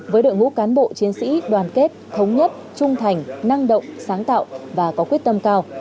với đội ngũ cán bộ chiến sĩ đoàn kết thống nhất trung thành năng động sáng tạo và có quyết tâm cao